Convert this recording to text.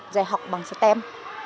giải học bằng stem